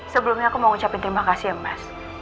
sebelumnya aku mau ngucapin terima kasih ya mas